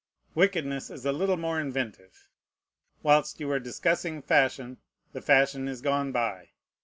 Wickedness is a little more inventive. Whilst you are discussing fashion, the fashion is gone by.